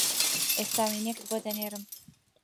ئێستا وێنەیەکت بۆ دەنێرم